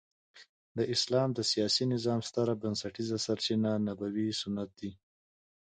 د اسلام د سیاسي نظام ستره بنسټيزه سرچینه نبوي سنت دي.